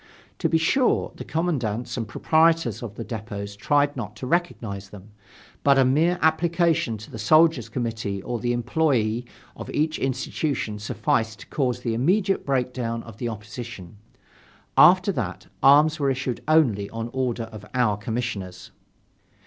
To be sure, the commandants and proprietors of the depots tried not to recognize them, but a mere application to the soldiers' committee or the employees of each institution sufficed to cause the immediate breakdown of the opposition. After that, arms were issued only on order of our Commissioners.